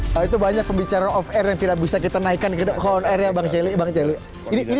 hai itu banyak pembicara of air yang tidak bisa kita naikkan gitu konek bang celi bang celi ini